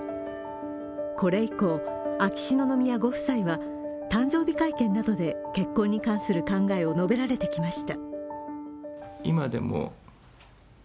これ以降、秋篠宮ご夫妻は誕生日会見などで結婚に関する考えを述べられてきました。